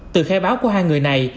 từ khai báo của hai người này